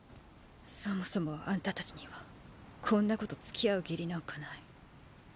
そもそもあんたたちにはこんなことつきあう義理なんかない。